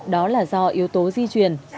đó là do yếu tố di truyền